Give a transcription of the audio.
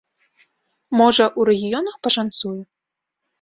Можа, у рэгіёнах пашанцуе?